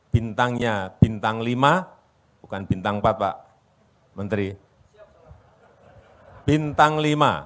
bintangnya bintang lima bukan bintang empat pak menteri bintang lima